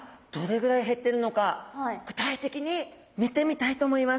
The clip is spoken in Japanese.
具体的に見てみたいと思います。